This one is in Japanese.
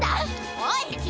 おい！